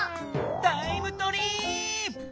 タイムトリーップ！